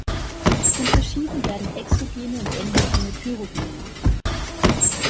Unterschieden werden exogene und endogene Pyrogene.